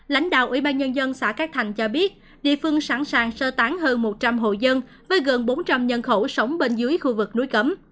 lãnh đạo ubnd xã cát thành cho biết địa phương sẵn sàng sơ tán hơn một trăm linh hộ dân với gần bốn trăm linh nhân khẩu sống bên dưới khu vực núi cấm